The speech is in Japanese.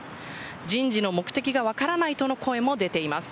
人事の目的が分からないとの声も出ています。